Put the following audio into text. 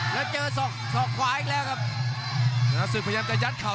แล้วเจอศอกสอกขวาอีกแล้วครับชนะศึกพยายามจะยัดเข่า